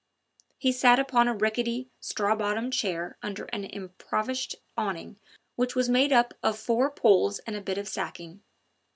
He sat upon a rickety, straw bottomed chair under an improvised awning which was made up of four poles and a bit of sacking.